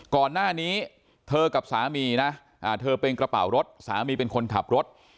ก่อนหน้านี้เธอกับสามีนะเธอเป็นกระเป๋ารถสามีเป็นคนขับรถ